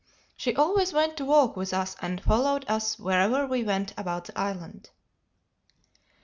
She always went to walk with us and followed us wherever we went about the island.